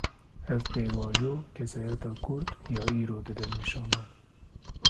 Ev pêvajo, kesayeta Kurd ya îro dide nîşandan